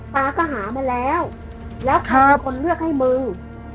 ป่าก็หามาแล้วแล้วท่านคนเลือกให้มึง